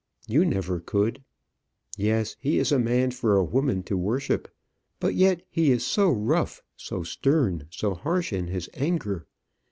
You never could. Yes; he is a man for a woman to worship; but yet he is so rough, so stern, so harsh in his anger.